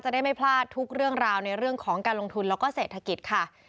ได้ไม่พลาดทุกเรื่องราวในเรื่องของการลงทุนแล้วก็เศรษฐกิจค่ะ